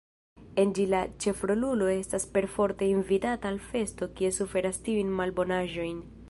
En ĝi la ĉefrolulo estas perforte invitata al festo kie suferas tiujn malbonaĵojn.